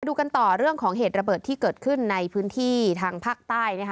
ดูกันต่อเรื่องของเหตุระเบิดที่เกิดขึ้นในพื้นที่ทางภาคใต้นะคะ